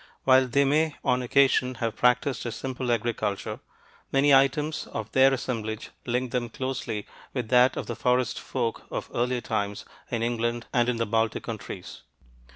While they may on occasion have practiced a simple agriculture, many items of their assemblage link them closely with that of the "Forest folk" of earlier times in England and in the Baltic countries.